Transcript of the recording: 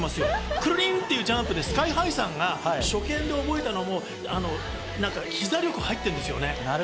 クリンっていうジャンプでＳＫＹ−ＨＩさんが初見で覚えたのも膝力が入ってる。